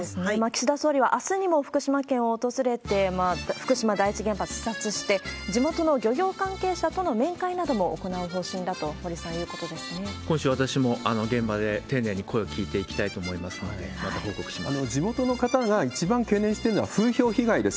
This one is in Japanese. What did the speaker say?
岸田総理はあすにも福島県を訪れて、福島第一原発視察して、地元の漁業関係者との面会なども行う方針だと、堀さん、今週、私も現場で丁寧に声を聞いていきたいと思いますので、また報告します。